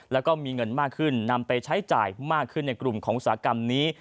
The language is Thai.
แล้วก็มีเงินมากขึ้นนำไปใช้จ่ายมากขึ้นในกลุ่มของอุตสาหกรรมนี้